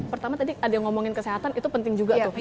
pertama tadi ada yang ngomongin kesehatan itu penting juga tuh